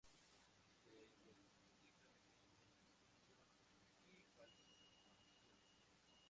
Se diagnostica mediante inspección y palpación.